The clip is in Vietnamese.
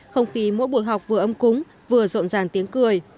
không khí mỗi buổi học vừa âm cúng vừa rộn ràng tiếng cười